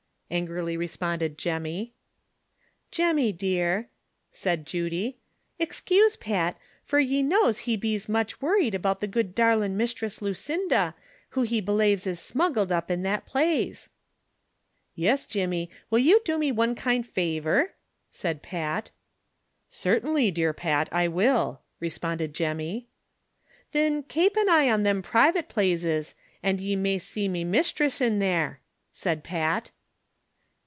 angrily responded Jemmy. " Jeminy, dear," said Judy, "excuse Pat, fur ye knows he bees much worred aboot the good darlin' Mishtress Lu cinda, who he belaves is smuggled up in that plaze." " Yis, Jemmy, will ye do me one kind favor V" asked Pat. "Certainly, dear Pat, I will," responded Jemmy. "Thin, kape an eye on thim privat plazes, an' ye may sea me mishtress in thare," said Pat.